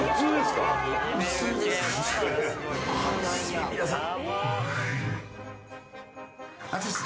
厚い皆さん。